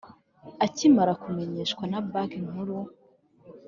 Akimara kumenyeshwa na Banki Nkuru